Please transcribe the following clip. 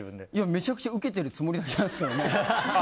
めちゃくちゃウケてるつもりなんですけど。